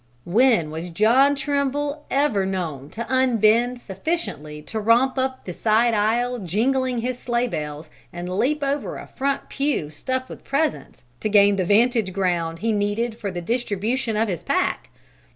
When was John Trimble ever known to unbend sufficiently to romp up the side aisle jingling his sleigh bells, and leap over a front pew stuffed with presents, to gain the vantage ground he needed for the distribution of his pack?